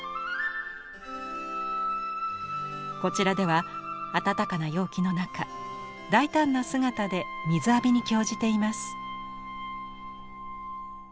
こちらでは暖かな陽気の中大胆な姿で水浴びに興じています。